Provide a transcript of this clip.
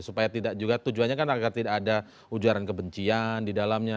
supaya tidak juga tujuannya kan agar tidak ada ujaran kebencian di dalamnya